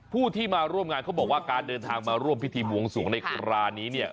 ผู้ที่มาร่วมงานเขาบอกว่าการเดินทางมาร่วมพิธีบวงสวงในคราวนี้เนี่ย